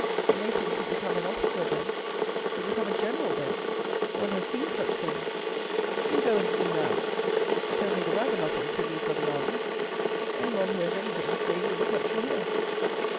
A mason could become an officer then, could become a general then. One has seen such things." " You go and see now. It's only the ragamuffins who leave for the army. Any one who has anything stays in the country here."